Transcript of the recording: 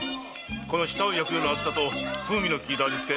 この舌を焼くような熱さと風味のきいた味付け。